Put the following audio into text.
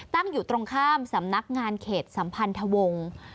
ตั้งอยู่ตรงข้ามสำนักงานเขตสัมพันธวงศ์